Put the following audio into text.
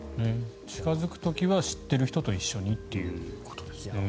近付く時は知っている人と一緒にということですね。